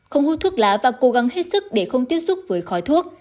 không hút thuốc lá và cố gắng hết sức để không tiếp xúc với khói thuốc